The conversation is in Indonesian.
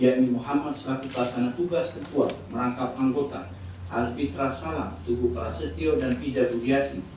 yakni muhammad selaku pelasanan tugas ketua merangkap anggota alfitra salam tugu prasetyo dan pida budiati